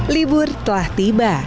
libur telah tiba